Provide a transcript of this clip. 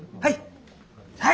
はい。